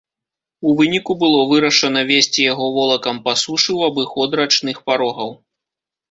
У выніку было вырашана везці яго волакам па сушы ў абыход рачных парогаў.